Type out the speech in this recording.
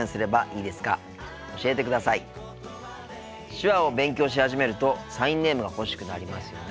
手話を勉強し始めるとサインネームが欲しくなりますよね。